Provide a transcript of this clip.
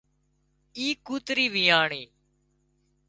اي ڪوترِي ويئاڻِي